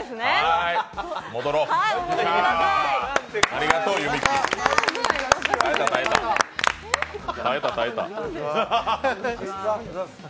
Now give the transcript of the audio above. ありがとう、ゆみっきー耐えた耐えた。